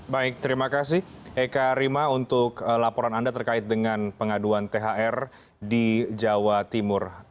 baik terima kasih eka rima untuk laporan anda terkait dengan pengaduan thr di jawa timur